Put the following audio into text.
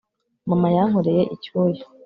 mama yankoreye icyuya